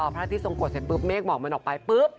พระฤทธิสงโกรธเสร็จปุ๊บเมฆบอกมันออกไปปุ๊บ